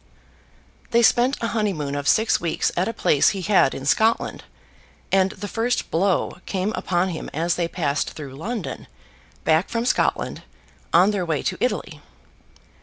They spent a honeymoon of six weeks at a place he had in Scotland, and the first blow came upon him as they passed through London, back from Scotland, on their way to Italy.